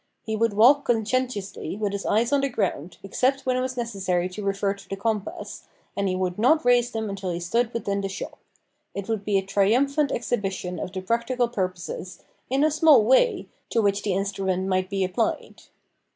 He would walk conscientiously with his eyes on the ground, except when it was necessary to refer to the compass, and he would not raise them until he stood within the shop. It would be a triumphant exhibition of the practical purposes, in a small way, to which the instrument might be applied.